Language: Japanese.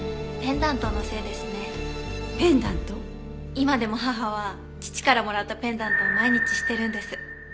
今でも母は父からもらったペンダントを毎日してるんです。